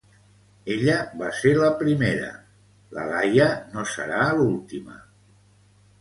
Ella va ser la primera, la Laia no serà l'última.